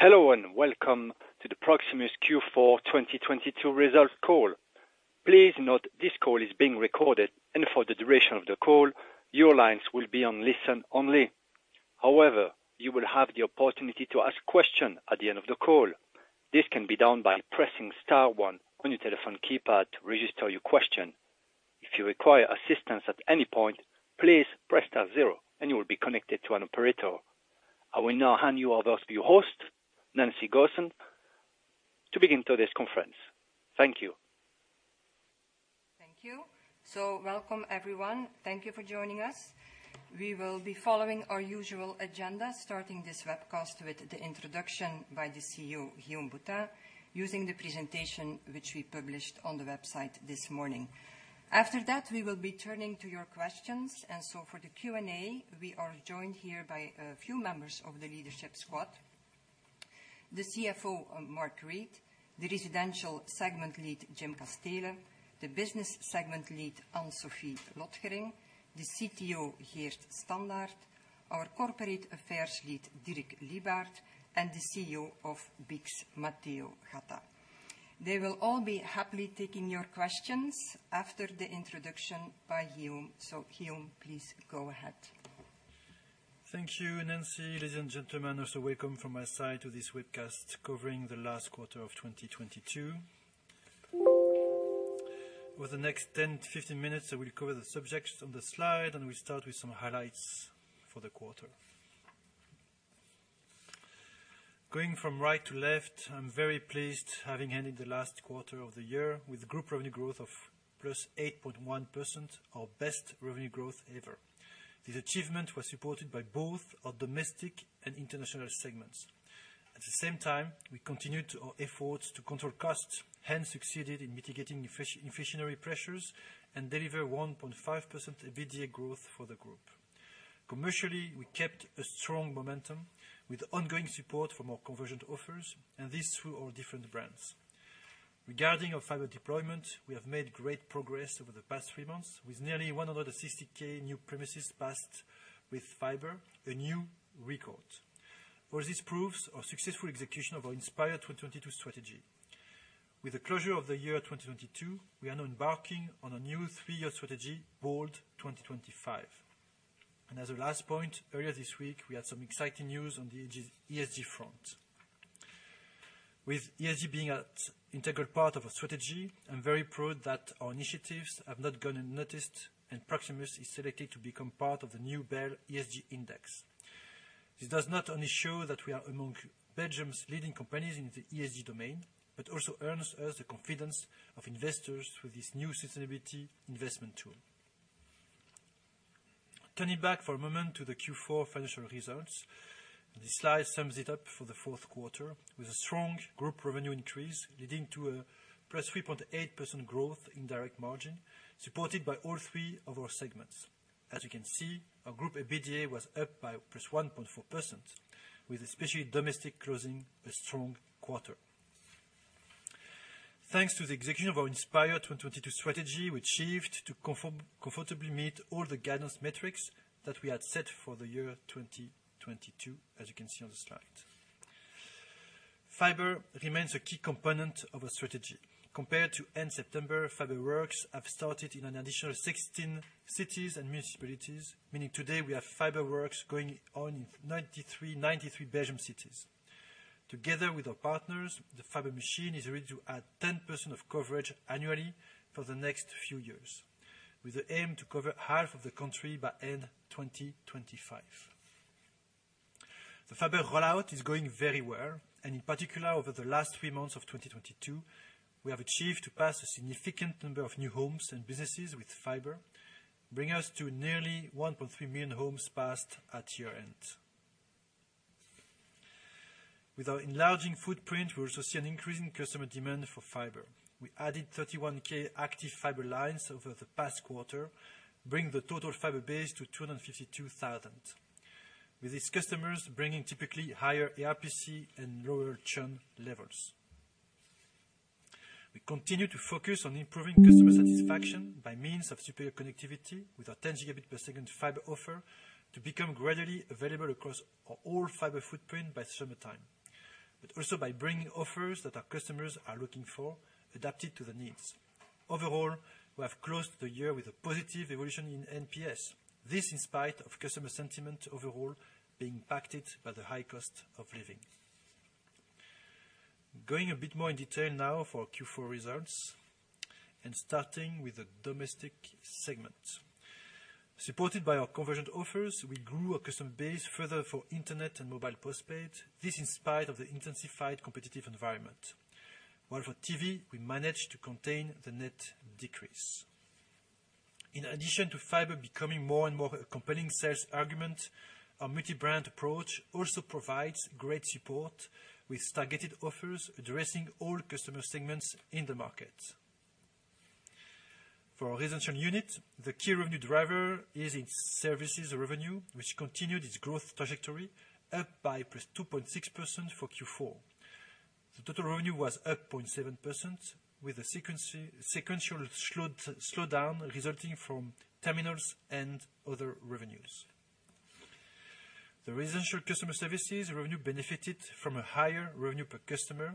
Hello, and welcome to the Proximus Q4 2022 results call. Please note this call is being recorded, and for the duration of the call, your lines will be on listen only. However, you will have the opportunity to ask questions at the end of the call. This can be done by pressing star one on your telephone keypad to register your question. If you require assistance at any point, please press star zero and you will be connected to an operator. I will now hand you over to your host, Nancy Goossens, to begin today's conference. Thank you. Thank you. Welcome, everyone. Thank you for joining us. We will be following our usual agenda, starting this webcast with the introduction by the CEO, Guillaume Boutin, using the presentation which we published on the website this morning. After that, we will be turning to your questions. For the Q&A, we are joined here by a few members of the leadership squad. The CFO, Mark Reid, the residential segment lead, Jim Casteele, the business segment lead, Anne-Sophie Lotgering, the CTO, Geert Standaert, our Corporate Affairs Lead, Dirk Lybaert, and the CEO of BICS, Matteo Gatta. They will all be happily taking your questions after the introduction by Guillaume. Guillaume, please go ahead. Thank you, Nancy. Ladies and gentlemen, also welcome from my side to this webcast covering the last quarter of 2022. Over the next 10-15 minutes, I will cover the subjects on the slide, and we start with some highlights for the quarter. Going from right to left, I'm very pleased having ended the last quarter of the year with group revenue growth of +8.1%, our best revenue growth ever. This achievement was supported by both our domestic and international segments. At the same time, we continued our efforts to control costs, hence succeeded in mitigating inflationary pressures and deliver 1.5% EBITDA growth for the group. Commercially, we kept a strong momentum with ongoing support from our convergent offers, and these through our different brands, Regarding our fiber deployment, we have made great progress over the past three months, with nearly 160K new premises passed with fiber, a new record. All this proves our successful execution of our #inspire2022 strategy. With the closure of the year 2022, we are now embarking on a new three-year strategy, bold2025. As a last point, earlier this week, we had some exciting news on the ESG front. With ESG being an integral part of our strategy, I'm very proud that our initiatives have not gone unnoticed and Proximus is selected to become part of the new BEL ESG Index. This does not only show that we are among Belgium's leading companies in the ESG domain, but also earns us the confidence of investors through this new sustainability investment tool. Turning back for a moment to the Q4 financial results, this slide sums it up for the fourth quarter. With a strong group revenue increase leading to a +3.8% growth in direct margin, supported by all three of our segments. As you can see, our group EBITDA was up by +1.4%, with especially domestic closing a strong quarter. Thanks to the execution of our #inspire2022 strategy, we achieved to comfortably meet all the guidance metrics that we had set for the year 2022, as you can see on the slide. Fiber remains a key component of our strategy. Compared to end September, fiber works have started in an additional 16 cities and municipalities, meaning today we have fiber works going on in 93 Belgian cities. Together with our partners, the fiber machine is ready to add 10% of coverage annually for the next few years, with the aim to cover half of the country by end 2025. The fiber rollout is going very well, and in particular, over the last three months of 2022, we have achieved to pass a significant number of new homes and businesses with fiber, bringing us to nearly 1.3 million homes passed at year-end. With our enlarging footprint, we also see an increase in customer demand for fiber. We added 31,000 active fiber lines over the past quarter, bringing the total fiber base to 252,000. With these customers bringing typically higher ARPC and lower churn levels. We continue to focus on improving customer satisfaction by means of superior connectivity with our 10 Gb per second fiber offer to become gradually available across our whole fiber footprint by summertime. Also by bringing offers that our customers are looking for, adapted to their needs. Overall, we have closed the year with a positive evolution in NPS. This in spite of customer sentiment overall being impacted by the high cost of living. Going a bit more in detail now for our Q4 results, starting with the domestic segment. Supported by our convergent offers, we grew our customer base further for internet and mobile postpaid. This in spite of the intensified competitive environment. While for TV, we managed to contain the net decrease. In addition to fiber becoming more and more a compelling sales argument, our multi-brand approach also provides great support with targeted offers addressing all customer segments in the market. For our residential unit, the key revenue driver is its services revenue, which continued its growth trajectory, up by +2.6% for Q4. The total revenue was up 0.7% with a sequential slowdown resulting from terminals and other revenues. The residential customer services revenue benefited from a higher revenue per customer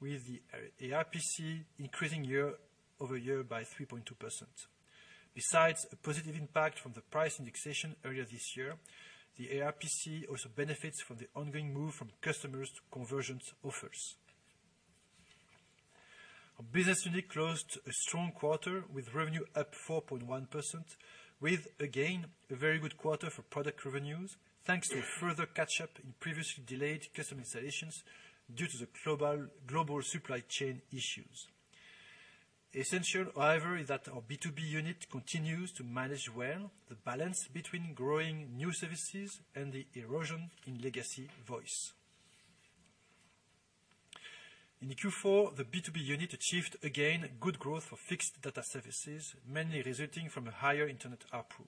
with the ARPC increasing year-over-year by 3.2%. Besides a positive impact from the price indexation earlier this year, the ARPC also benefits from the ongoing move from customers to convergence offers. Our business unit closed a strong quarter with revenue up 4.1% with, again, a very good quarter for product revenues, thanks to a further catch-up in previously delayed customer installations due to the global supply chain issues. Essential, however, is that our B2B unit continues to manage well the balance between growing new services and the erosion in legacy voice. In Q4, the B2B unit achieved again good growth for fixed data services, mainly resulting from a higher internet ARPU.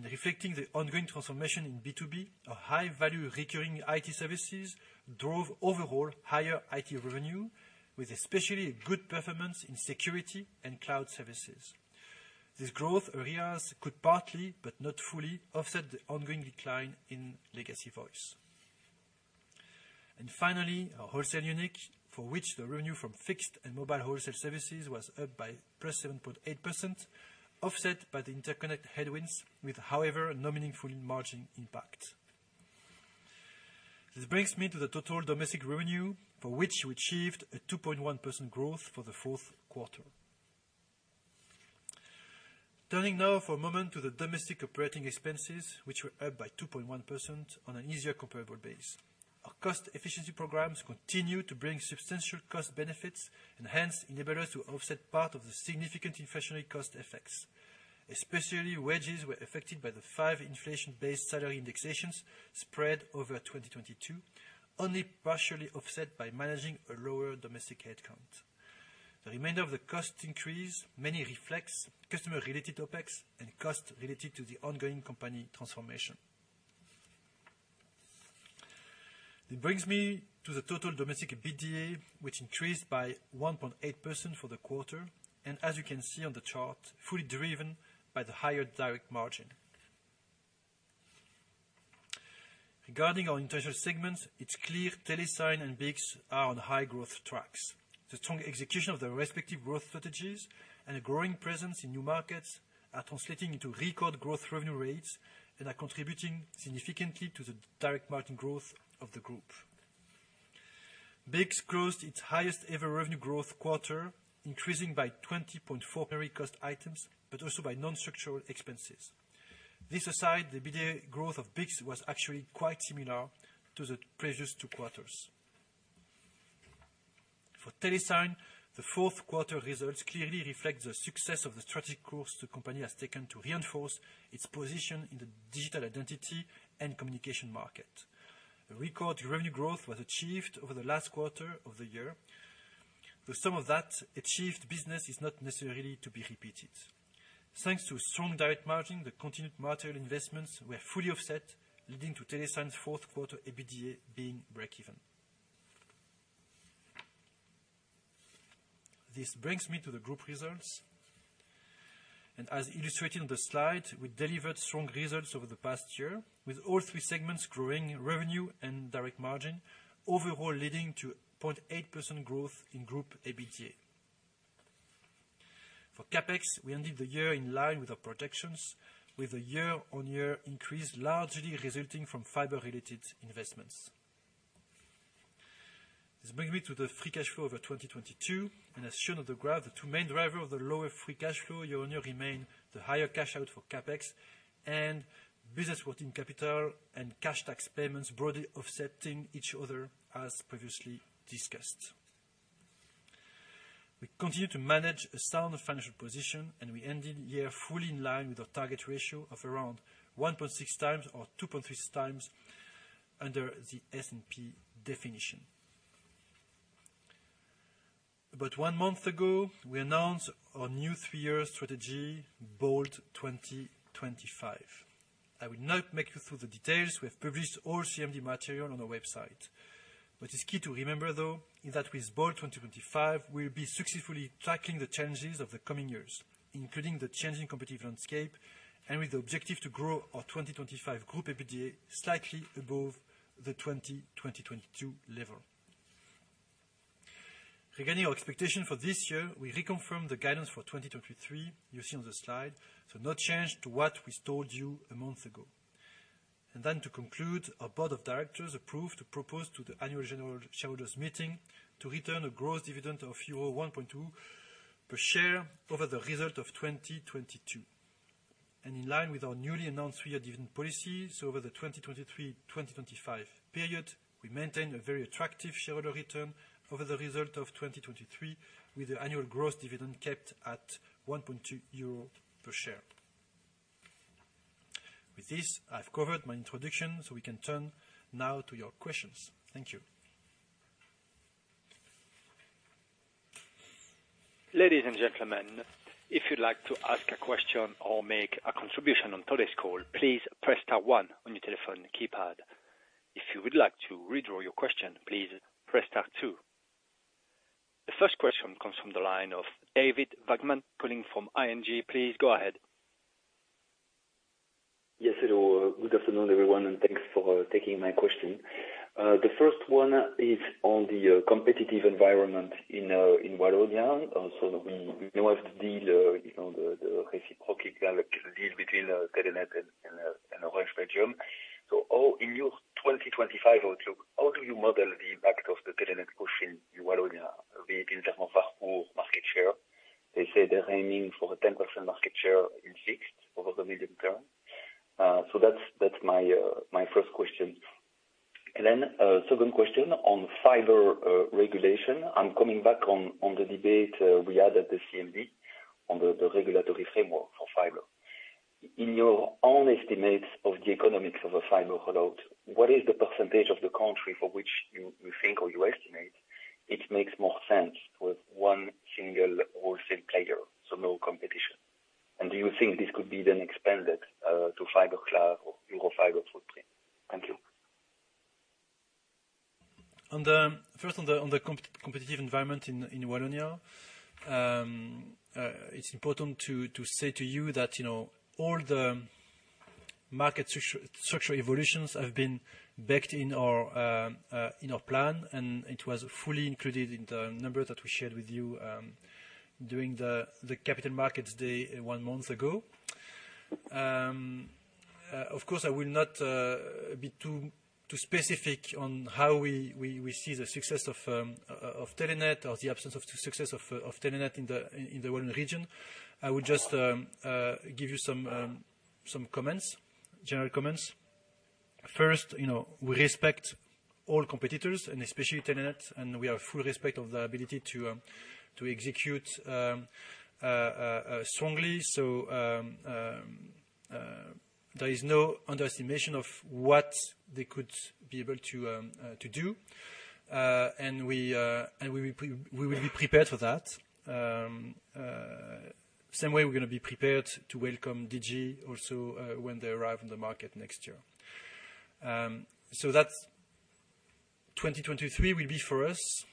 Reflecting the ongoing transformation in B2B, our high-value recurring IT services drove overall higher IT revenue, with especially good performance in security and cloud services. These growth areas could partly, but not fully, offset the ongoing decline in legacy voice. Finally, our wholesale unit, for which the revenue from fixed and mobile wholesale services was up by +7.8%, offset by the interconnect headwinds with, however, no meaningful margin impact. This brings me to the total domestic revenue, for which we achieved a 2.1% growth for the fourth quarter. Turning now for a moment to the domestic operating expenses, which were up by 2.1% on an easier comparable base. Our cost efficiency programs continue to bring substantial cost benefits and hence enable us to offset part of the significant inflationary cost effects. Especially wages were affected by the five inflation-based salary indexations spread over 2022, only partially offset by managing a lower domestic headcount. The remainder of the cost increase mainly reflects customer-related OpEx and cost related to the ongoing company transformation. This brings me to the total domestic EBITDA, which increased by 1.8% for the quarter, and as you can see on the chart, fully driven by the higher direct margin. Regarding our international segments, it's clear Telesign and BICS are on high growth tracks. The strong execution of their respective growth strategies and a growing presence in new markets are translating into record growth revenue rates and are contributing significantly to the direct margin growth of the group. BICS closed its highest ever revenue growth quarter, increasing by 20.4, memory cost items, but also by non-structural expenses. This aside, the EBITDA growth of BICS was actually quite similar to the previous two quarters. For Telesign, the fourth quarter results clearly reflect the success of the strategic course the company has taken to reinforce its position in the digital identity and communication market. A record revenue growth was achieved over the last quarter of the year, some of that achieved business is not necessarily to be repeated. Thanks to strong direct margin, the continued material investments were fully offset, leading to Telesign's fourth quarter EBITDA being break even. This brings me to the group results. As illustrated on the slide, we delivered strong results over the past year, with all three segments growing revenue and direct margin, overall leading to 0.8% growth in group EBITDA. For CapEx, we ended the year in line with our projections, with a year-on-year increase largely resulting from fiber-related investments. This brings me to the free cash flow over 2022. As shown on the graph, the two main driver of the lower free cash flow year-on-year remain the higher cash out for CapEx and business working capital and cash tax payments broadly offsetting each other as previously discussed. We continue to manage a sound financial position. We ended the year fully in line with our target ratio of around 1.6x or 2.6x under the S&P definition. About one month ago, we announced our new three-year strategy, bold2025. I will not make you through the details. We have published all CMD material on our website. What is key to remember, though, is that with bold2025, we'll be successfully tackling the challenges of the coming years, including the changing competitive landscape and with the objective to grow our 2025 group EBITDA slightly above the 2022 level. Regarding our expectation for this year, we reconfirm the guidance for 2023 you see on the slide, no change to what we told you a month ago. To conclude, our board of directors approved a propose to the annual general shareholders meeting to return a growth dividend of euro 1.2 per share over the result of 2022. In line with our newly announced three-year dividend policy, over the 2023/2025 period, we maintain a very attractive shareholder return over the result of 2023, with the annual growth dividend kept at 1.2 euro per share. With this, I've covered my introduction, we can turn now to your questions. Thank you. Ladies and gentlemen, if you'd like to ask a question or make a contribution on today's call, please press star one on your telephone keypad. If you would like to redraw your question, please press star two. The first question comes from the line of David Vagman calling from ING. Please go ahead. Yes, hello. Good afternoon, everyone, and thanks for taking my question. The first one is on the competitive environment in Wallonia. Also, we know of the deal, you know, the reciprocal deal between Telenet and Orange Belgium. In your 2025 outlook, how do you model the impact of the Telenet push in Wallonia in terms of full market share? They say they're aiming for a 10% market share in fixed over the medium term. That's my first question. Then, second question on fiber regulation. I'm coming back on the debate we had at the CMD on the regulatory framework for fiber. In your own estimates of the economics of a fiber rollout, what is the percentage of the country for which you think or you estimate it makes more sense with one single wholesale player, so no competition? Do you think this could be then expanded to fiber cloud or your fiber footprint? Thank you. On the competitive environment in Wallonia. It's important to say to you that, you know, all the market structure evolutions have been backed in our plan, and it was fully included in the number that we shared with you during the Capital Markets Day one month ago. Of course, I will not be too specific on how we see the success of Telenet or the absence of the success of Telenet in the Wallonia region. I would just give you some comments, general comments. First, you know, we respect all competitors, and especially Telenet, and we have full respect of their ability to execute strongly. There is no underestimation of what they could be able to do. We will be prepared for that. Same way we're gonna be prepared to welcome Digi also when they arrive on the market next year. 2023 will be for us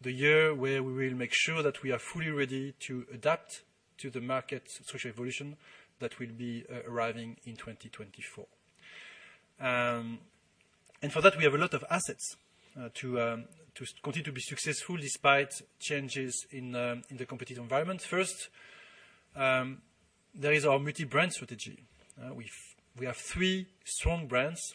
the year where we will make sure that we are fully ready to adapt to the market structure evolution that will be arriving in 2024. For that, we have a lot of assets to continue to be successful despite changes in the competitive environment. First, there is our multi-brand strategy. We have three strong brands,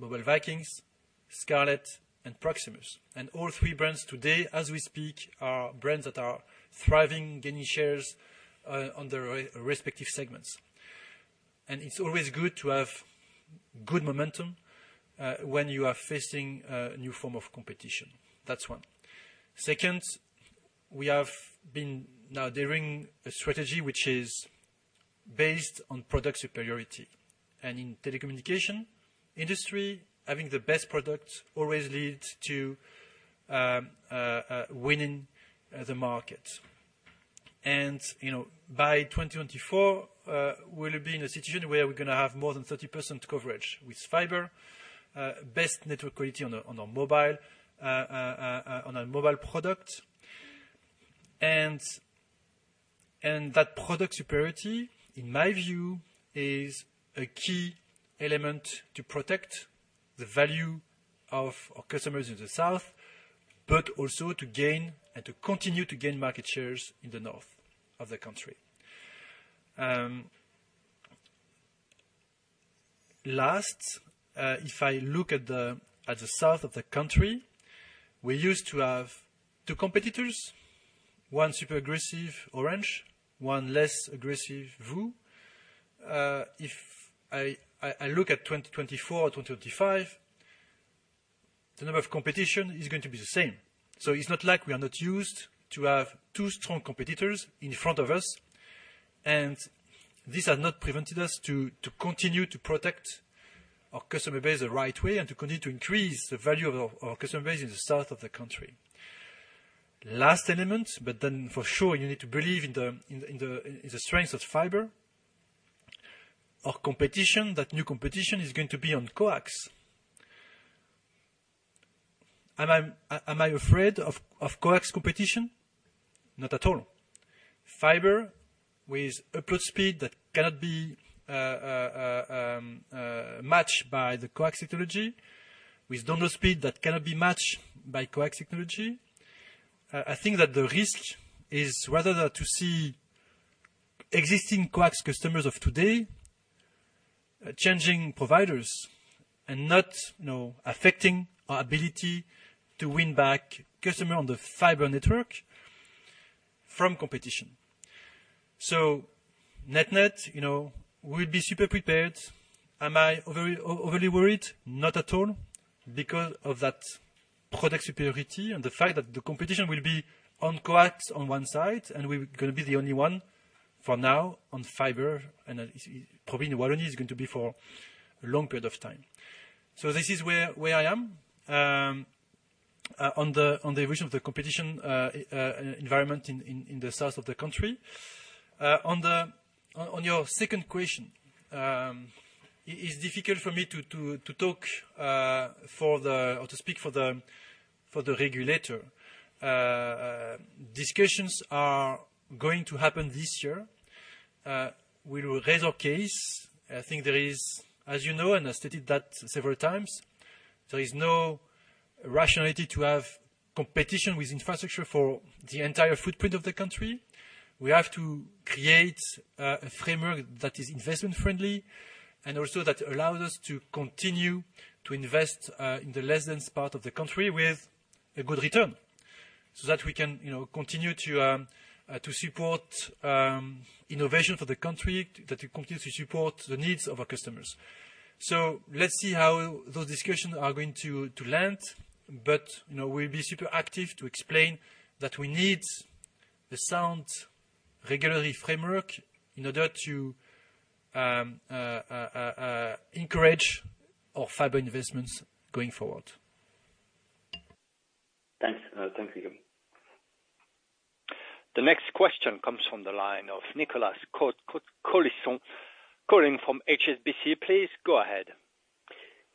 Mobile Vikings, Scarlet and Proximus. All three brands today as we speak are brands that are thriving, gaining shares on their respective segments. It's always good to have good momentum when you are facing a new form of competition. That's one. Second, we have been now daring a strategy which is based on product superiority. In telecommunications industry, having the best product always leads to winning the market. You know, by 2024, we'll be in a situation where we're going to have more than 30% coverage with fiber, best network quality on our mobile product. That product superiority, in my view, is a key element to protect the value of our customers in the south, but also to gain and to continue to gain market shares in the north of the country. Last, if I look at the south of the country, we used to have two competitors, one super aggressive, Orange, one less aggressive, VOO. If I look at 2024 or 2025, the number of competition is going to be the same. It's not like we are not used to have two strong competitors in front of us, and these have not prevented us to continue to protect our customer base the right way and to continue to increase the value of our customer base in the south of the country. Last element, for sure, you need to believe in the strength of fiber. Our competition, that new competition is going to be on coax. Am I afraid of coax competition? Not at all. Fiber with upload speed that cannot be matched by the coax technology, with download speed that cannot be matched by coax technology. I think that the risk is whether or not to see existing coax customers of today changing providers and not, you know, affecting our ability to win back customer on the fiber network from competition. Net-net, you know, we'll be super prepared. Am I overly worried? Not at all, because of that product superiority and the fact that the competition will be on coax on one side, and we gonna be the only one for now on fiber and probably in Wallonia is going to be for a long period of time. This is where I am on the vision of the competition environment in the south of the country. On your second question, it's difficult for me to speak for the regulator. Discussions are going to happen this year. We will raise our case. I think there is, as you know, and I stated that several times, there is no rationality to have competition with infrastructure for the entire footprint of the country. We have to create a framework that is investment friendly and also that allows us to continue to invest in the less-dense part of the country with a good return so that we can, you know, continue to support innovation for the country, that we continue to support the needs of our customers. Let's see how those discussions are going to land. You know, we'll be super active to explain that we need the sound regulatory framework in order to encourage our fiber investments going forward. Thanks. Thanks, Guillaume. The next question comes from the line of Nicolas Cote-Colisson calling from HSBC. Please go ahead.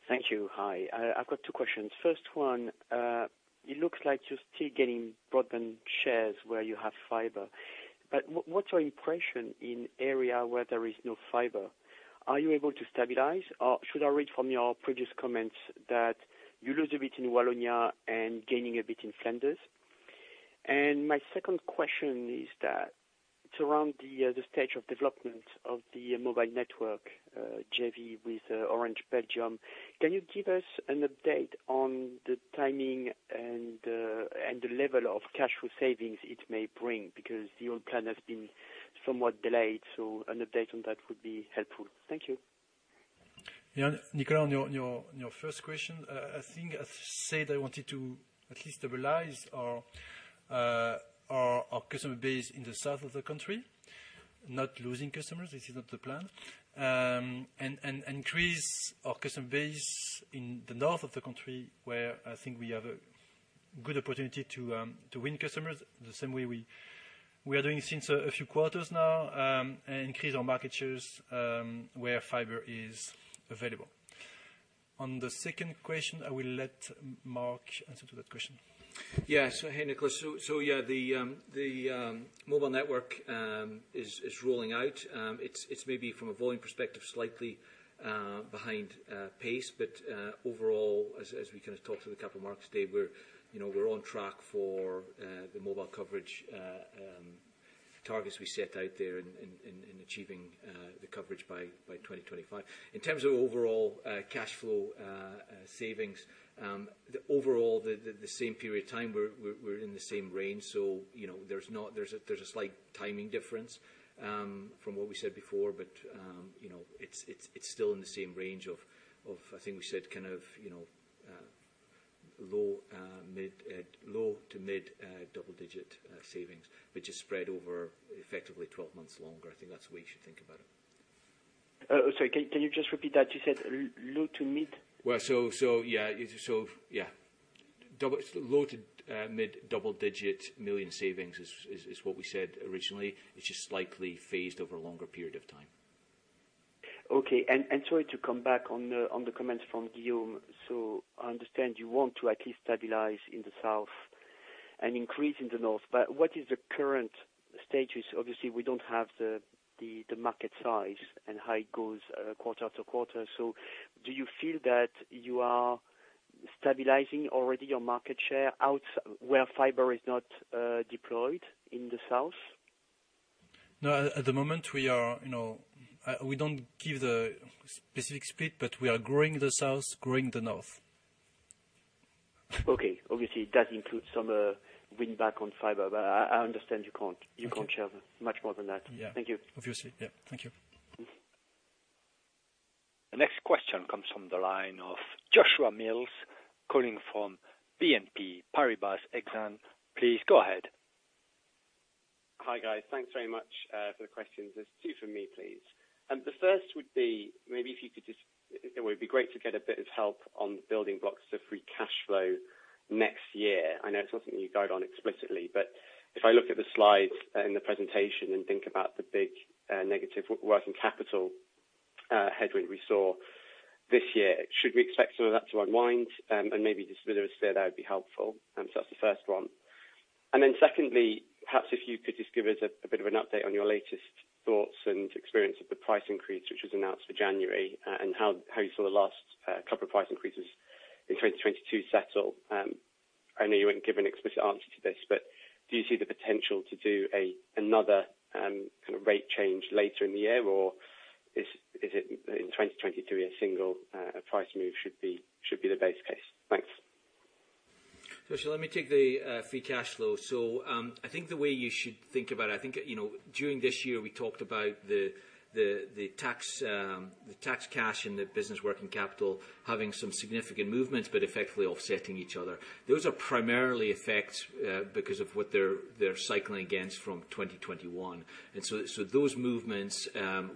Thank you. Hi, I've got two questions. First one, it looks like you're still getting broadband shares where you have fiber, but what's your impression in area where there is no fiber? Are you able to stabilize or should I read from your previous comments that you lose a bit in Wallonia and gaining a bit in Flanders? My second question is that it's around the stage of development of the mobile network JV with Orange Belgium. Can you give us an update on the timing and the level of cash flow savings it may bring? Because the old plan has been somewhat delayed, so an update on that would be helpful. Thank you. Yeah. Nicolas, on your first question, I think I said I wanted to at least stabilize our customer base in the south of the country, not losing customers. This is not the plan. Increase our customer base in the north of the country, where I think we have a good opportunity to win customers the same way we are doing since a few quarters now, and increase our market shares, where fiber is available. On the second question, I will let Mark answer to that question. Hey, Nicolas. The mobile network is rolling out. It's maybe from a volume perspective, slightly behind pace. Overall as we kind of talk through the Capital Markets Day, we're, you know, we're on track for the mobile coverage targets we set out there in achieving the coverage by 2025. In terms of overall cash flow savings, the overall the same period of time, we're in the same range. You know, there's not, there's a slight timing difference from what we said before. You know, it's still in the same range of I think we said kind of, you know, low, mid, low to mid double-digit savings, which is spread over effectively 12 months longer. I think that's the way you should think about it. Sorry, can you just repeat that? You said low to mid? Yeah. Yeah, low to mid double-digit million savings is what we said originally. It's just slightly phased over a longer period of time. Okay. Sorry to come back on the comments from Guillaume. I understand you want to at least stabilize in the south and increase in the north. What is the current status? Obviously, we don't have the market size and how it goes, quarter after quarter. Do you feel that you are stabilizing already your market share out where fiber is not deployed in the south? No, at the moment we are, you know, we don't give the specific split, but we are growing the south, growing the north. Okay. Obviously, that includes some, win back on fiber. I understand you can't, you can't share much more than that. Thank you. Obviously. Yeah. Thank you. The next question comes from the line of Joshua Mills, calling from BNP Paribas Exane. Please go ahead. Hi, guys. Thanks very much for the questions. There's two from me, please. The first would be maybe it would be great to get a bit of help on the building blocks of free cash flow next year. I know it's not something you guide on explicitly, but if I look at the slides in the presentation and think about the big, negative working capital, headwind we saw this year, should we expect some of that to unwind? Maybe just a bit of a steer there would be helpful. That's the first one. Then secondly, perhaps if you could just give us a bit of an update on your latest thoughts and experience of the price increase which was announced for January, and how you saw the last couple of price increases in 2022 settle. I know you won't give an explicit answer to this, but do you see the potential to do another kind of rate change later in the year, or is it in 2022 a single price move should be the base case? Let me take the free cash flow. I think the way you should think about it, I think, you know, during this year, we talked about the tax, the tax cash and the business working capital having some significant movements, but effectively offsetting each other. Those are primarily effects because of what they're cycling against from 2021. Those movements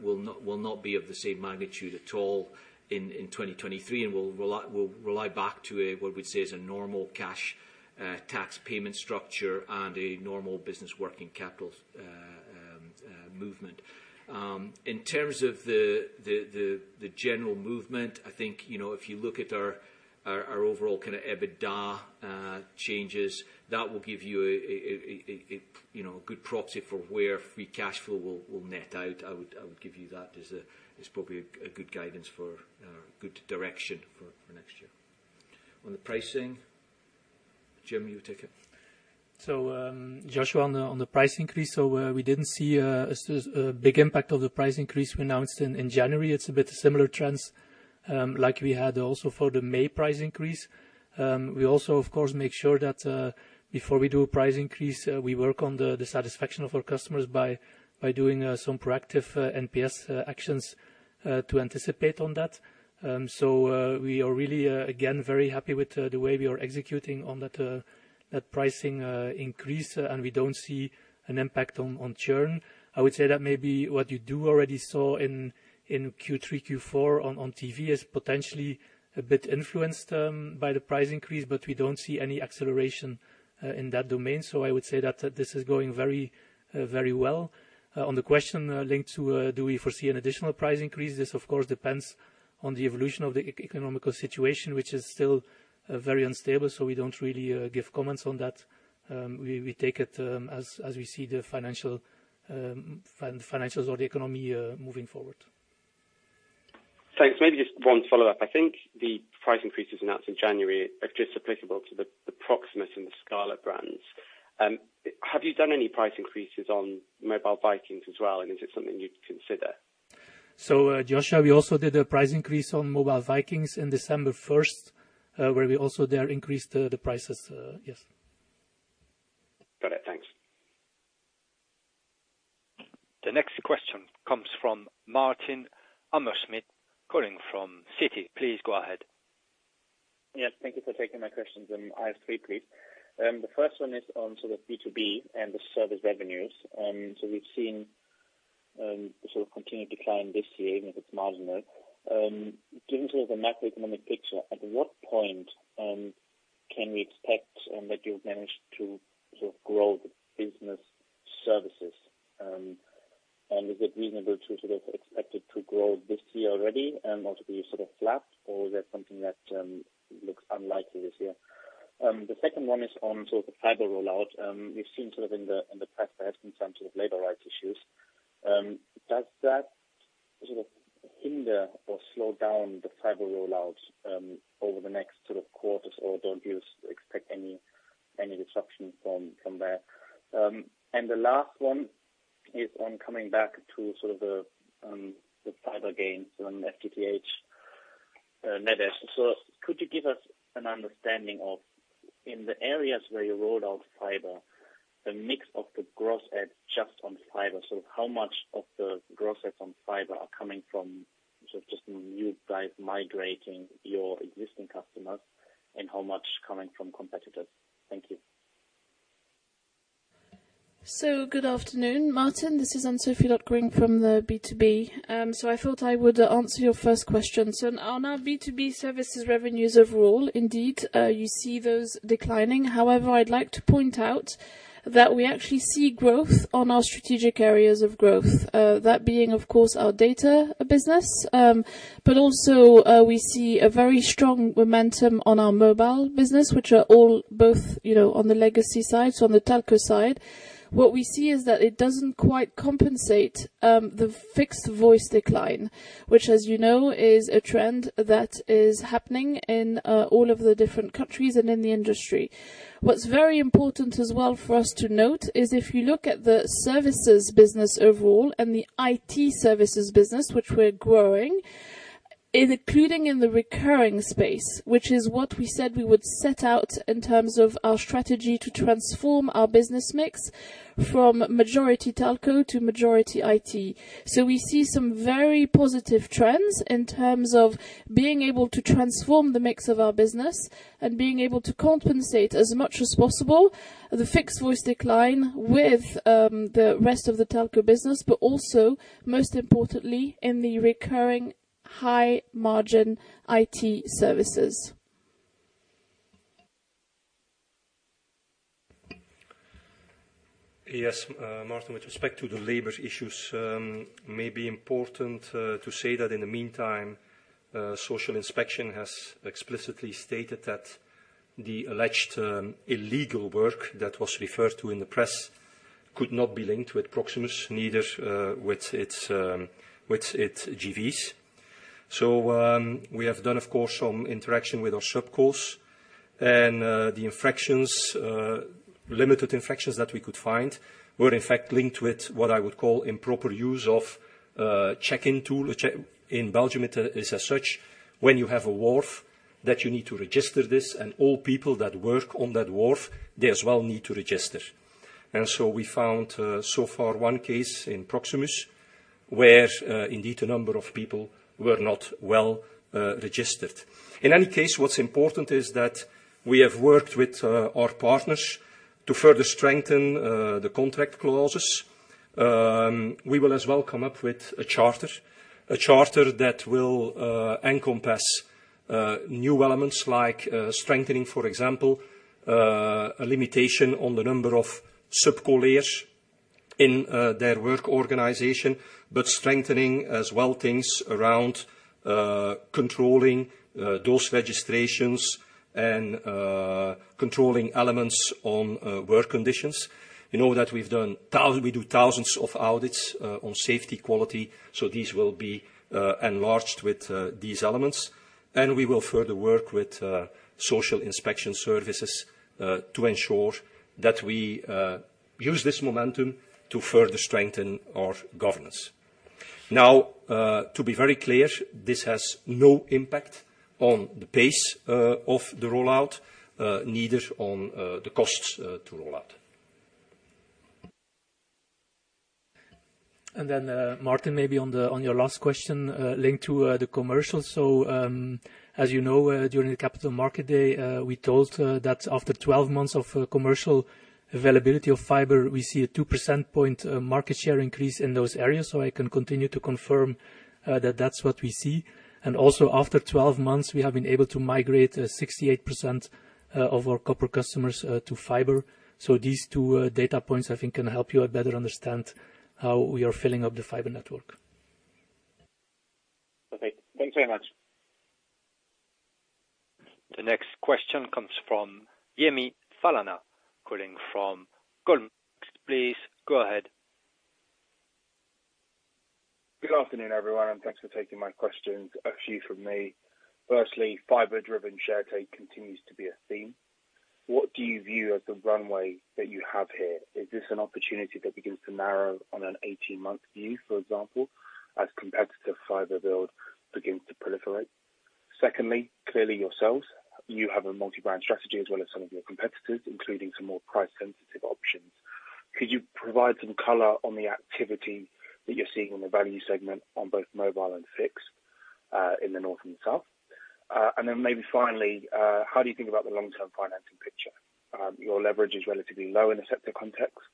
will not be of the same magnitude at all in 2023, and will rely back to a, what we'd say is a normal cash tax payment structure and a normal business working capital movement. In terms of the general movement, I think, you know, if you look at our overall kind of EBITDA changes, that will give you a, you know, a good proxy for where free cash flow will net out. I would give you that as probably a good guidance for good direction for next year. On the pricing, Jim, you take it. Joshua, on the price increase. We didn't see a big impact of the price increase we announced in January. It's a bit similar trends like we had also for the May price increase. We also, of course, make sure that before we do a price increase, we work on the satisfaction of our customers by doing some proactive NPS actions to anticipate on that. We are really again very happy with the way we are executing on that pricing increase, and we don't see an impact on churn. I would say that may be what you do already saw in Q3, Q4 on TV is potentially a bit influenced by the price increase, but we don't see any acceleration in that domain. I would say that, this is going very, very well. On the question linked to, do we foresee an additional price increase? This, of course, depends on the evolution of the economical situation, which is still very unstable, so we don't really give comments on that. We take it as we see the financials or the economy moving forward. Thanks. Maybe just one follow-up. I think the price increases announced in January are just applicable to the Proximus and the Scarlet brands. Have you done any price increases on Mobile Vikings as well, and is it something you'd consider? Joshua, we also did a price increase on Mobile Vikings in December 1st, where we also there increased the prices, yes. Got it. Thanks. The next question comes from Martin Hammerschmidt calling from Citi. Please go ahead. Yes, thank you for taking my questions. I have three, please. The first one is on sort of B2B and the service revenues. We've seen the sort of continued decline this year, even if it's marginal. Given sort of the macroeconomic picture, at what point can we expect that you've managed to sort of grow the business services? Is it reasonable to sort of expect it to grow this year already, or to be sort of flat, or is that something that looks unlikely this year? The second one is on sort of the fiber rollout. We've seen sort of in the, in the press there has been some sort of labor rights issues. Does that sort of hinder or slow down the fiber rollouts over the next sort of quarters, or don't you expect any disruption from there? The last one is on coming back to sort of the fiber gains on FTTH net add. Could you give us an understanding of, in the areas where you rolled out fiber, the mix of the gross adds just on fiber? How much of the gross adds on fiber are coming from sort of just new guys migrating your existing customers, and how much coming from competitors? Thank you. Good afternoon, Martin. This is Anne-Sophie Lotgering from the B2B. I thought I would answer your first question. On our B2B services revenues overall, indeed, you see those declining. However, I'd like to point out that we actually see growth on our strategic areas of growth. That being, of course, our data business, but also, we see a very strong momentum on our mobile business, which are all both, you know, on the legacy side, so on the telco side. What we see is that it doesn't quite compensate the fixed voice decline, which as you know, is a trend that is happening in all of the different countries and in the industry. What's very important as well for us to note is if you look at the services business overall and the IT services business, which we're growing, including in the recurring space, which is what we said we would set out in terms of our strategy to transform our business mix from majority telco to majority IT. We see some very positive trends in terms of being able to transform the mix of our business and being able to compensate as much as possible the fixed voice decline with the rest of the telco business, but also, most importantly, in the recurring high margin IT services. Martin, with respect to the labor issues, may be important to say that in the meantime, social inspection has explicitly stated that the alleged illegal work that was referred to in the press could not be linked with Proximus, neither with its JVs. We have done, of course, some interaction with our subcos and the infractions. Limited infections that we could find were in fact linked with what I would call improper use of check-in tool. In Belgium, it is as such, when you have a wharf that you need to register this and all people that work on that wharf, they as well need to register. We found, so far one case in Proximus, where indeed a number of people were not well registered. In any case, what's important is that we have worked with our partners to further strengthen the contract clauses. We will as well come up with a charter. A charter that will encompass new elements like strengthening, for example, a limitation on the number of sub-colleagues in their work organization. Strengthening as well things around, controlling, those registrations and, controlling elements on, work conditions. You know that we do thousands of audits, on safety quality, so these will be, enlarged with, these elements. We will further work with, social inspection services, to ensure that we, use this momentum to further strengthen our governance. To be very clear, this has no impact on the pace, of the rollout, neither on, the costs, to rollout. Martin, maybe on the on your last question linked to the commercial. As you know, during the Capital Market Day, we told that after 12 months of commercial availability of fiber, we see a two percent point market share increase in those areas. I can continue to confirm that that's what we see. Also after 12 months, we have been able to migrate 68% of our copper customers to fiber. These two data points, I think, can help you better understand how we are filling up the fiber network. Okay. Thanks very much. The next question comes from Yemi Falana, calling from Goldman Sachs. Please go ahead. Good afternoon, everyone, and thanks for taking my questions. A few from me. Firstly, fiber-driven share take continues to be a theme. What do you view as the runway that you have here? Is this an opportunity that begins to narrow on an 18-month view, for example, as competitive fiber build begins to proliferate? Secondly, clearly yourselves, you have a multi-brand strategy as well as some of your competitors, including some more price sensitive options. Could you provide some color on the activity that you're seeing on the value segment on both mobile and fixed in the north and south? And then maybe finally, how do you think about the long-term financing picture? Your leverage is relatively low in a sector context,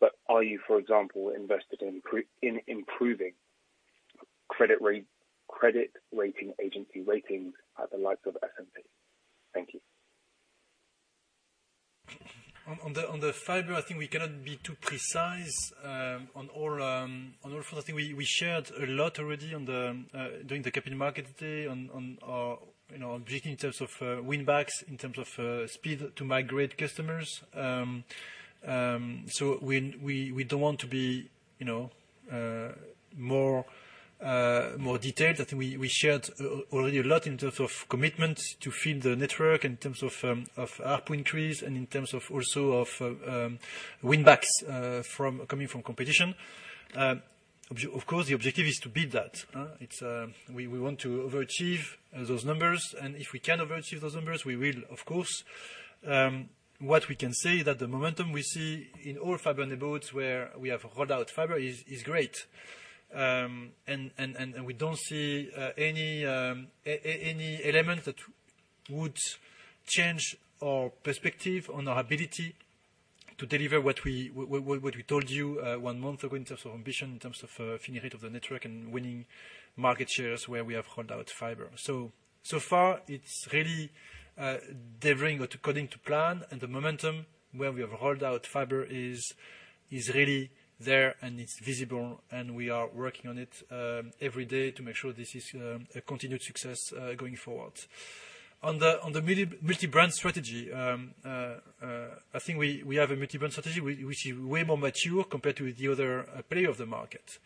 but are you, for example, invested in improving credit rating agency ratings at the likes of S&P? Thank you. On the fiber, I think we cannot be too precise on all. First thing, we shared a lot already during the Capital Market Day on our, you know, objective in terms of win backs, in terms of speed to migrate customers. We don't want to be, you know, more detailed. I think we shared already a lot in terms of commitments to feed the network, in terms of ARPU increase and in terms of also of win backs, coming from competition. Of course, the objective is to beat that. It's we want to overachieve those numbers. If we can overachieve those numbers, we will, of course. What we can say that the momentum we see in all fiber and the boats where we have rolled out fiber is great. We don't see any element that would change our perspective on our ability to deliver what we told you one month ago in terms of ambition, in terms of finishing rate of the network and winning market shares where we have rolled out fiber. So far it's really delivering according to plan and the momentum where we have rolled out fiber is really there and it's visible, and we are working on it every day to make sure this is a continued success going forward. On the multi-brand strategy, I think we have a multi-brand strategy which is way more mature compared to the other player of the market.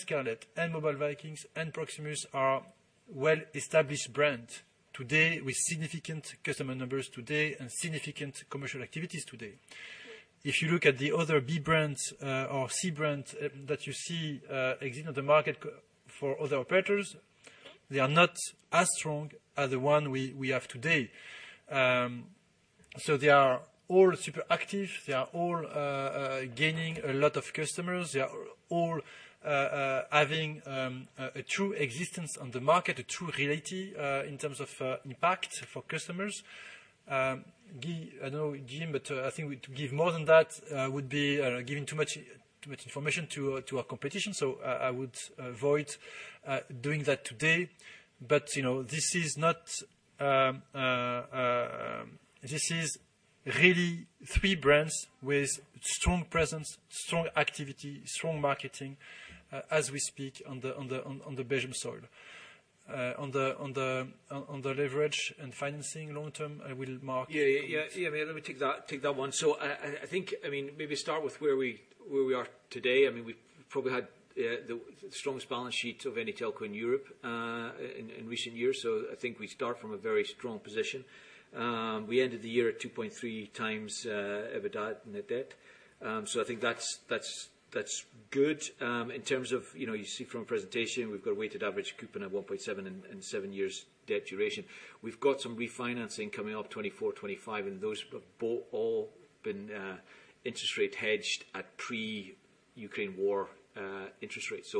Scarlet, Mobile Vikings, and Proximus are well-established brand today with significant customer numbers today and significant commercial activities today. If you look at the other B brands or C brands that you see existing on the market for other operators, they are not as strong as the one we have today. They are all super active. They are all gaining a lot of customers. They are all having a true existence on the market, a true reality in terms of impact for customers. I don't know, I think we give more than that would be giving too much information to our competition. I would avoid doing that today. You know, this is not, this is really three brands with strong presence, strong activity, strong marketing as we speak on the Belgian soil. On the leverage and financing long term, will Mark comment? Yeah, yeah. Let me take that one. I think, I mean, maybe start with where we are today. I mean, we've probably had the strongest balance sheet of any telco in Europe in recent years. I think we start from a very strong position. We ended the year at 2.3x EBITDA net debt. I think that's good. In terms of, you know, you see from presentation, we've got a weighted average coupon of 1.7 and seven years debt duration. We've got some refinancing coming up 2024, 2025, and those have all been interest rate hedged at pre-Ukraine war interest rates.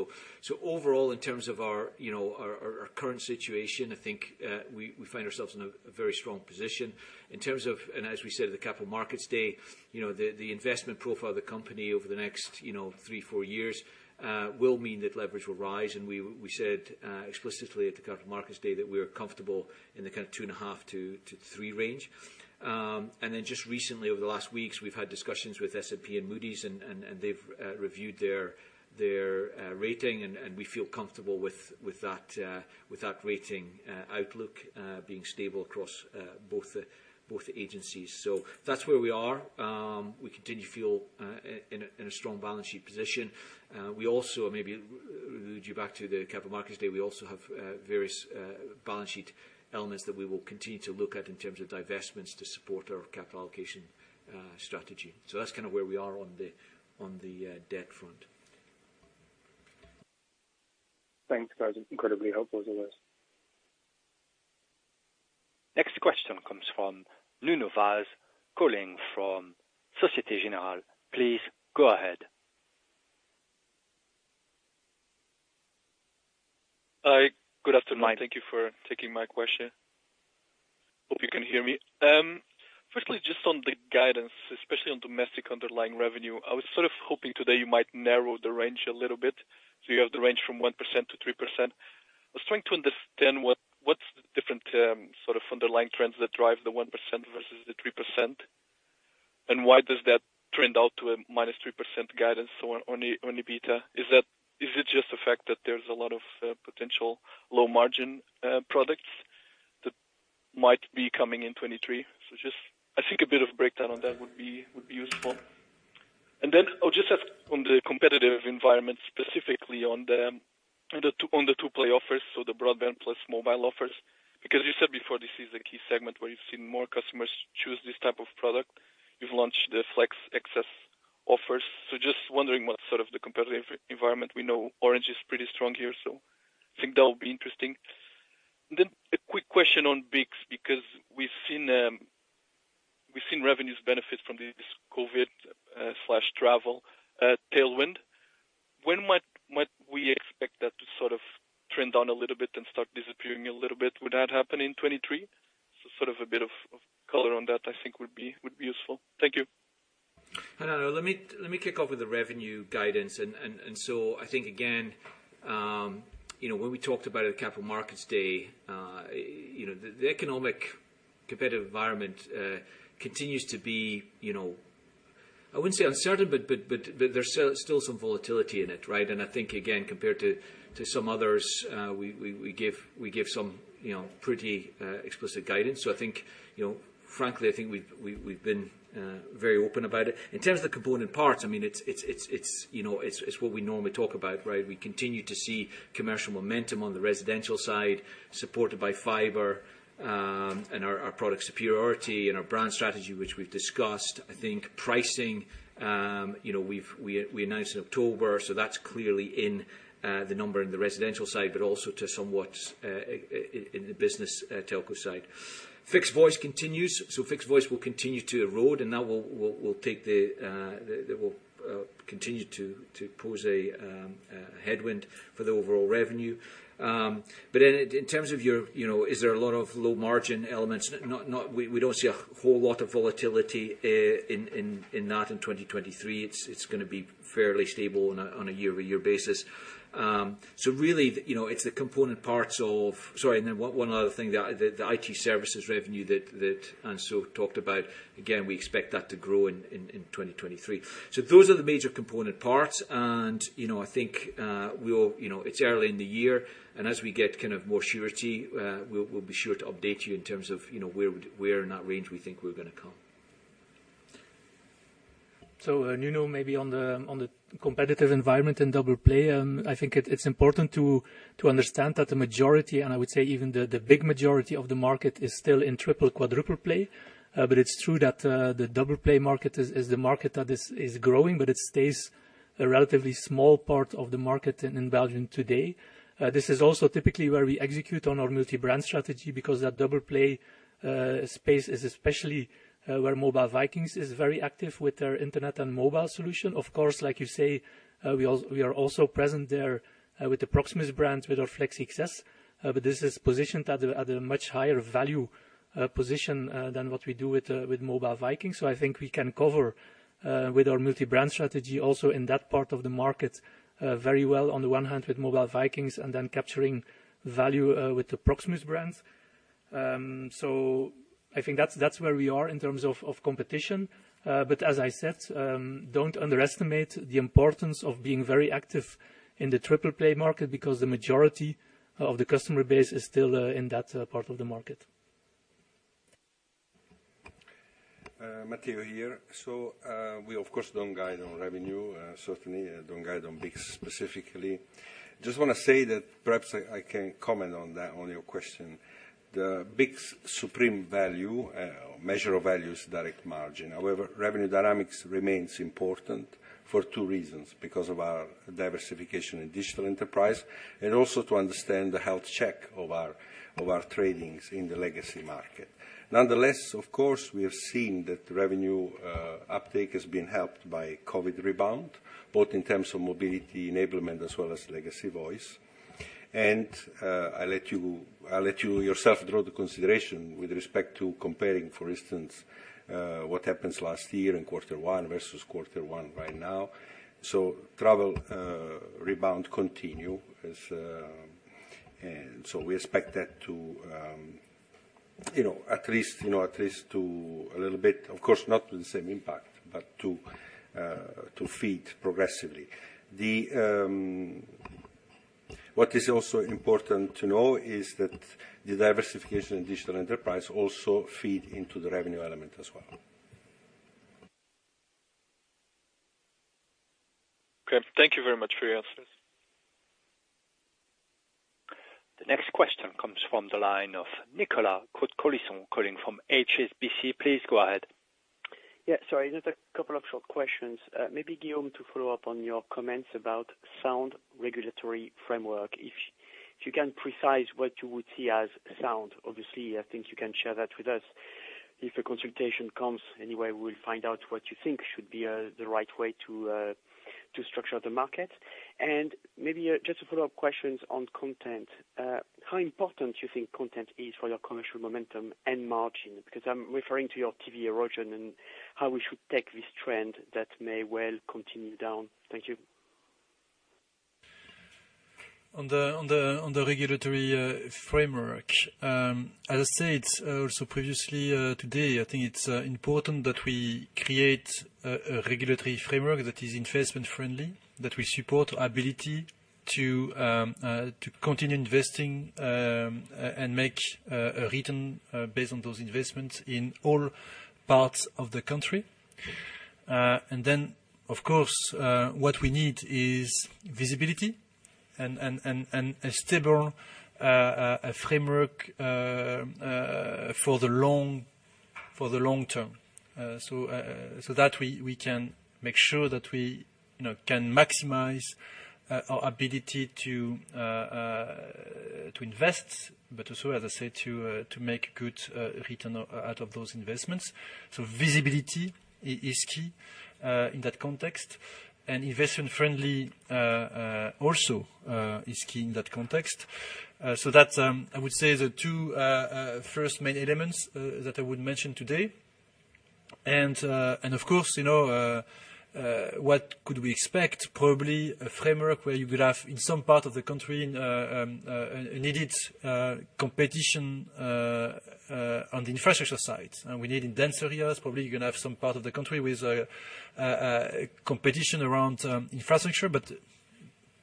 Overall, in terms of our, you know, our current situation, I think, we find ourselves in a very strong position. In terms of, and as we said at the Capital Markets Day, you know, the investment profile of the company over the next, you know, three, four years, will mean that leverage will rise. We said explicitly at the Capital Markets Day that we're comfortable in the kind of 2.5-3 range. Just recently, over the last weeks, we've had discussions with S&P and Moody's, they've reviewed their rating, and we feel comfortable with that rating outlook being stable across both the agencies. That's where we are. We continue to feel in a strong balance sheet position. We also, maybe allude you back to the Capital Markets Day, we also have various balance sheet elements that we will continue to look at in terms of divestments to support our capital allocation strategy. That's kind of where we are on the debt front. Thanks, guys. Incredibly helpful as always. Next question comes from Nuno Vaz, calling from Societe Generale. Please go ahead. Hi, good afternoon. Thank you for taking my question. Hope you can hear me. Firstly, just on the guidance, especially on domestic underlying revenue, I was sort of hoping today you might narrow the range a little bit, so you have the range from 1%-3%. I was trying to understand what's the different sort of underlying trends that drive the 1% versus the 3%, and why does that trend out to a -3% guidance on EBITDA? Is it just the fact that there's a lot of potential low margin products that might be coming in 2023? Just, I think a bit of breakdown on that would be useful. Then I'll just ask on the competitive environment, specifically on the two-play offers, so the broadband plus mobile offers. You said before this is a key segment where you've seen more customers choose this type of product. You've launched the Flex Access offers. Just wondering what sort of the competitive environment? We know Orange is pretty strong here, so I think that would be interesting. A quick question on BICS, because we've seen revenues benefit from this COVID slash travel tailwind. When might we expect that to sort of trend down a little bit and start disappearing a little bit? Would that happen in 2023? A bit of color on that I think would be useful. Thank you. Nuno, let me kick off with the revenue guidance. I think again, you know, when we talked about at Capital Markets Day, you know, the economic competitive environment, continues to be, you know, I wouldn't say uncertain, but there's still some volatility in it, right? I think again, compared to some others, we give some, you know, pretty explicit guidance. I think, you know, frankly, I think we've been very open about it. In terms of the component parts, I mean, it's, you know, what we normally talk about, right? We continue to see commercial momentum on the residential side supported by fiber, and our product superiority and our brand strategy, which we've discussed. I think pricing, you know, we've, we announced in October, so that's clearly in the number in the residential side, but also to somewhat in the business telco side. Fixed voice continues. Fixed voice will continue to erode, and that will take the, that will continue to pose a headwind for the overall revenue. In terms of your, you know, is there a lot of low margin elements? Not... We don't see a whole lot of volatility in that in 2023. It's gonna be fairly stable on a year-over-year basis. Really, you know, it's the component parts of... Sorry, then one other thing, the IT services revenue that Anne-Sophie talked about, again, we expect that to grow in 2023. Those are the major component parts. You know, I think we all, you know, it's early in the year, and as we get kind of more surety, we'll be sure to update you in terms of, you know, where in that range we think we're gonna come. Nuno, maybe on the, on the competitive environment in double play, I think it's important to understand that the majority, and I would say even the big majority of the market is still in triple, quadruple play. But it's true that the double play market is the market that is growing, but it stays a relatively small part of the market in Belgium today. This is also typically where we execute on our multi-brand strategy because that double play space is especially where Mobile Vikings is very active with their internet and mobile solution. Of course, like you say, we are also present there with the Proximus brand, with our Flex Access. This is positioned at a much higher value position than what we do with Mobile Vikings. I think we can cover with our multi-brand strategy also in that part of the market very well on the one hand with Mobile Vikings and then capturing value with the Proximus brands. I think that's where we are in terms of competition. As I said, don't underestimate the importance of being very active in the triple play market because the majority of the customer base is still in that part of the market. Matteo here. We of course don't guide on revenue, certainly don't guide on BICS specifically. Just wanna say that perhaps I can comment on that, on your question. The BICS supreme value measure of value is direct margin. However, revenue dynamics remains important for two reasons: because of our diversification in digital enterprise, and also to understand the health check of our tradings in the legacy market. Nonetheless, of course, we have seen that revenue uptake has been helped by COVID rebound, both in terms of mobility enablement as well as legacy voice. I'll let you yourself draw the consideration with respect to comparing, for instance, what happens last year in quarter one versus quarter one right now. Travel rebound continue as. We expect that to, you know, at least, you know, at least to a little bit, of course not with the same impact, but to feed progressively. What is also important to know is that the diversification in digital enterprise also feed into the revenue element as well. Okay. Thank you very much for your answers. The next question comes from the line of Nicolas Cote-Colisson calling from HSBC. Please go ahead. Yeah. Sorry, just a couple of short questions. Maybe Guillaume, to follow up on your comments about sound regulatory framework. If you can precise what you would see as sound. Obviously, I think you can share that with us. If a consultation comes, anyway, we'll find out what you think should be the right way to structure the market. Maybe just to follow up questions on content. How important do you think content is for your commercial momentum and margin? Because I'm referring to your TV erosion and how we should take this trend that may well continue down. Thank you. On the regulatory framework, as I said also previously, today, I think it's important that we create a regulatory framework that is investment friendly, that we support our ability to continue investing and make a return based on those investments in all parts of the country. Of course, what we need is visibility and a stable framework for the long term. That we can make sure that we, you know, can maximize our ability to invest, but also as I said, to make good return out of those investments. Visibility is key in that context. Investment friendly, also, is key in that context. That's, I would say the two first main elements that I would mention today. Of course, you know, what could we expect? Probably a framework where you will have in some part of the country, needed competition on the infrastructure side. We need in dense areas, probably you're gonna have some part of the country with competition around infrastructure.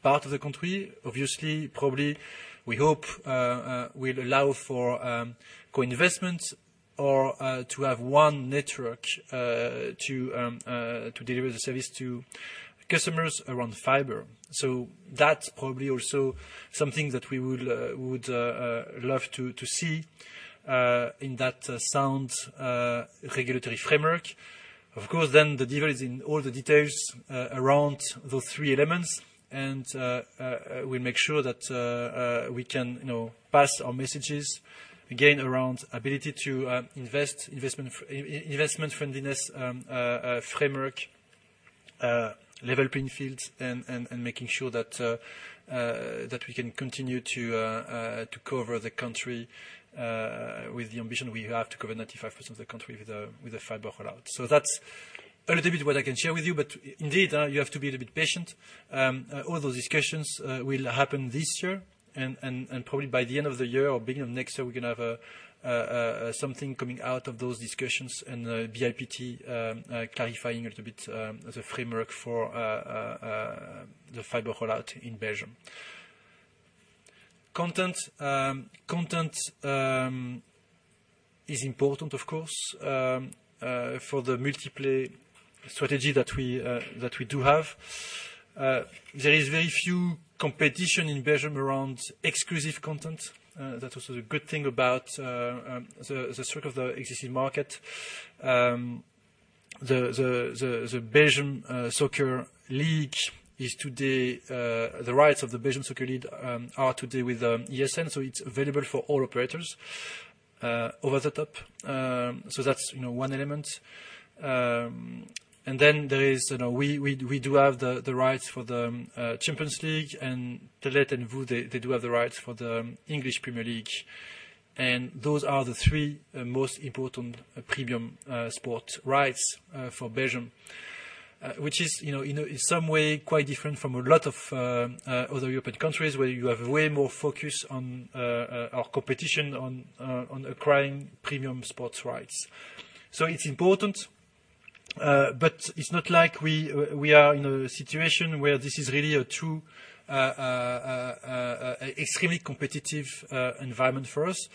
Part of the country, obviously, probably we hope, will allow for co-investments or to have one network to deliver the service to customers around fiber. That's probably also something that we would love to see in that sound regulatory framework. Of course, then the devil is in all the details around those three elements. We make sure that we can, you know, pass our messages again around ability to invest, investment friendliness, framework, level playing fields and making sure that we can continue to cover the country with the ambition we have to cover 95% of the country with a fiber rollout. That's a little bit what I can share with you, but indeed, you have to be a little bit patient. All those discussions will happen this year and probably by the end of the year or beginning of next year, we're gonna have something coming out of those discussions and BIPT clarifying a little bit the framework for the fiber rollout in Belgium. Content is important of course for the multi-play strategy that we that we do have. There is very few competition in Belgium around exclusive content. That's also a good thing about the sort of the existing market. The Belgian Soccer League is today the rights of the Belgian Soccer League are today with [ESN], so it's available for all operators over the top. That's, you know, one element. Then there is, you know, we do have the rights for the Champions League and Telenet and VOO, they do have the rights for the English Premier League. Those are the three most important premium sport rights for Belgium. Which is, you know, in some way quite different from a lot of other European countries where you have way more focus on our competition on acquiring premium sports rights. It's important, but it's not like we are in a situation where this is really a true extremely competitive environment for us.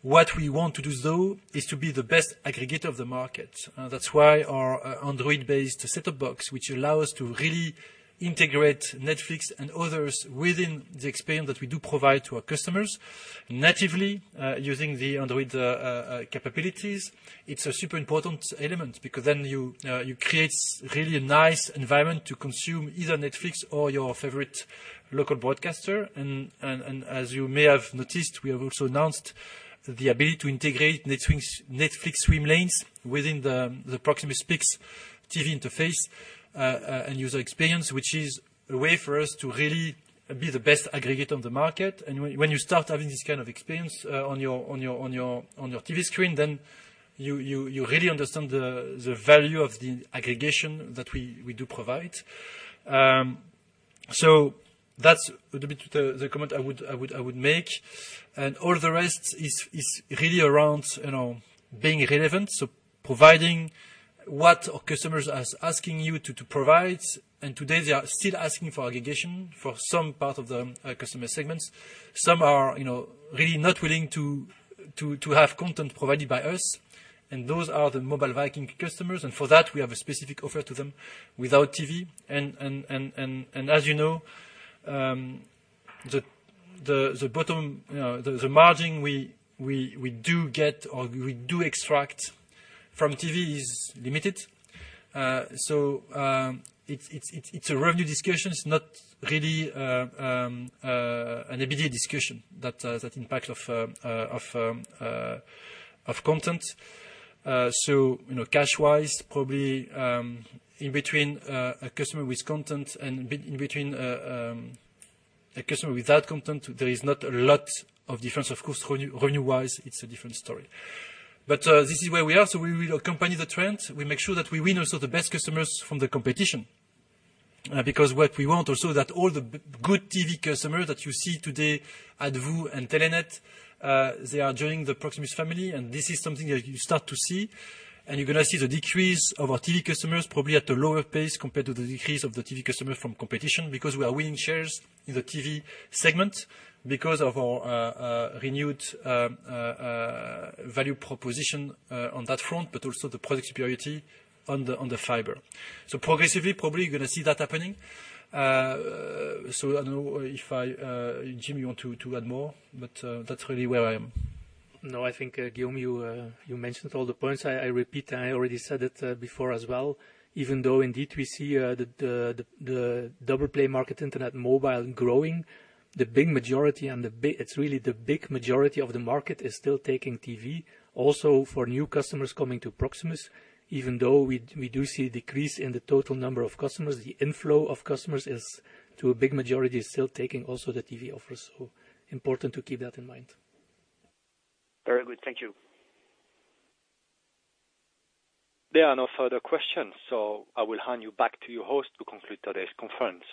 What we want to do though is to be the best aggregator of the market. That's why our Android-based set-top box, which allow us to really integrate Netflix and others within the experience that we do provide to our customers natively, using the Android capabilities. It's a super important element because then you create really a nice environment to consume either Netflix or your favorite local broadcaster. As you may have noticed, we have also announced the ability to integrate Netflix swim lanes within the Proximus Pickx TV-interface and user experience, which is a way for us to really be the best aggregator on the market. When you start having this kind of experience on your TV screen, then you really understand the value of the aggregation that we do provide. That's a little bit the comment I would make. All the rest is really around, you know, being relevant, so providing what our customers is asking you to provide. Today, they are still asking for aggregation for some part of the customer segments. Some are, you know, really not willing to have content provided by us, and those are the Mobile Vikings customers. For that, we have a specific offer to them without TV. As you know, the bottom, you know, the margin we do get or we do extract from TV is limited. It's a revenue discussion. It's not really an EBITDA discussion that impact of content. You know, cash-wise, probably, in between a customer with content and in between a customer without content, there is not a lot of difference. Of course, revenue-wise, it's a different story. This is where we are. We will accompany the trend. We make sure that we win also the best customers from the competition, because what we want also that all the good TV customers that you see today at VOO and Telenet, they are joining the Proximus family. This is something that you start to see. You're gonna see the decrease of our TV customers probably at a lower pace compared to the decrease of the TV customer from competition because we are winning shares in the TV segment because of our renewed value proposition on that front, but also the product superiority on the fiber. Progressively, probably, you're gonna see that happening. I don't know if I, Jim, you want to add more, but that's really where I am. No, I think Guillaume, you mentioned all the points. I repeat, and I already said it before as well. Even though indeed we see the double play market, internet, mobile growing, the big majority. It's really the big majority of the market is still taking TV. Also for new customers coming to Proximus, even though we do see a decrease in the total number of customers, the inflow of customers is, to a big majority, is still taking also the TV offer. Important to keep that in mind. Very good. Thank you. There are no further questions, so I will hand you back to your host to conclude today's conference.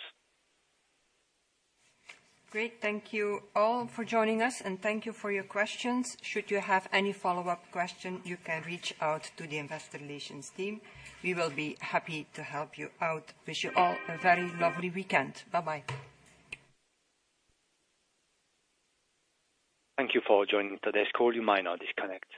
Great. Thank you all for joining us, and thank you for your questions. Should you have any follow-up question, you can reach out to the investor relations team. We will be happy to help you out. Wish you all a very lovely weekend. Bye-bye. Thank you for joining today's call. You may now disconnect.